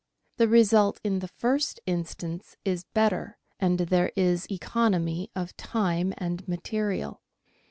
The result in the first instance is better, and there is economy of time and material.